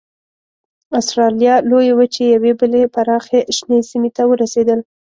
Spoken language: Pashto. اسټرالیا لویې وچې یوې بلې پراخې شنې سیمې ته ورسېدل.